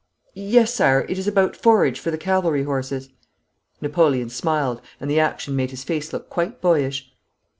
'Yes, Sire, it is about forage for the cavalry horses.' Napoleon smiled, and the action made his face look quite boyish.